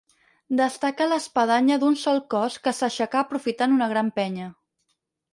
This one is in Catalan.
Destaca l'espadanya d'un sol cos que s'aixecà aprofitant una gran penya.